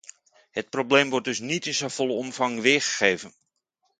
Het probleem wordt dus niet in zijn volle omvang weergegeven.